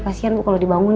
kasian bu kalo dibangunin